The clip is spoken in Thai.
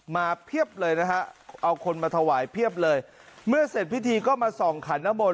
เพียบเลยนะฮะเอาคนมาถวายเพียบเลยเมื่อเสร็จพิธีก็มาส่องขันน้ำมนต